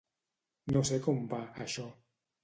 No sé com va, això.